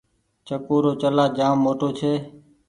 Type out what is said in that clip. چڪو رو چلآ جآم موٽو ڇي۔